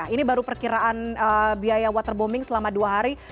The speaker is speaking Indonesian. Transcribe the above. ini baru perkiraan biaya waterbombing selama dua hari